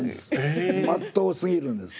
まっとうすぎるんです。